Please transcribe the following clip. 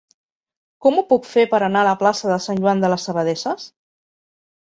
Com ho puc fer per anar a la plaça de Sant Joan de les Abadesses?